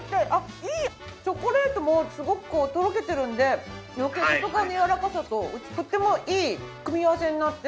チョコレートもすごくとろけてるんで余計外側のやわらかさととてもいい組み合わせになって。